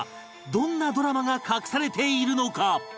どんなドラマが隠されているのか？